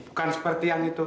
bukan seperti yang itu